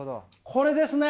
これですね。